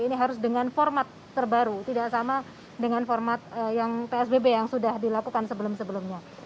ini harus dengan format terbaru tidak sama dengan format yang psbb yang sudah dilakukan sebelum sebelumnya